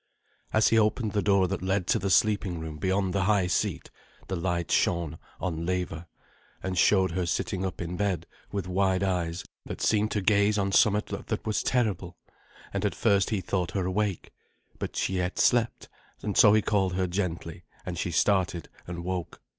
As he opened the door that led to the sleeping room beyond the high seat, the light shone on Leva, and showed her sitting up in bed with wide eyes that seemed to gaze on somewhat that was terrible, and at first he thought her awake. But she yet slept, and so he called her gently, and she started and woke.